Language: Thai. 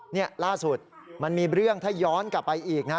นี่ล่าสุดมันมีเรื่องถ้าย้อนกลับไปอีกนะ